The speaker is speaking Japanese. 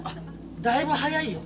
だいぶ早いよ。